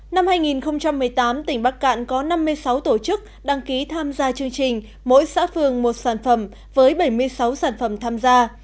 năm hai nghìn một mươi tám tỉnh bắc cạn có năm mươi sáu tổ chức đăng ký tham gia chương trình mỗi xã phường một sản phẩm với bảy mươi sáu sản phẩm tham gia